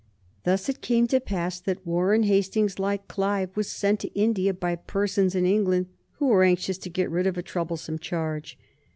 Thus it came to pass that Warren Hastings, like Clive, was sent to India by persons in England who were anxious to get rid of a troublesome charge.